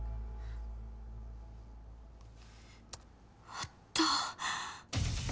あった。